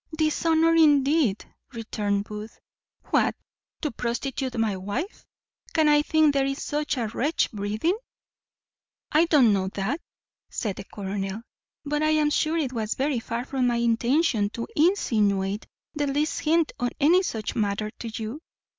"Dishonour, indeed!" returned Booth. "What! to prostitute my wife! Can I think there is such a wretch breathing?" "I don't know that," said the colonel, "but I am sure it was very far from my intention to insinuate the least hint of any such matter to you.